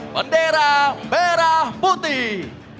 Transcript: bendera merah putih